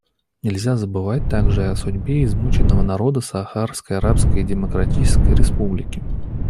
Нельзя забывать также и о судьбе измученного народа Сахарской Арабской Демократической Республики.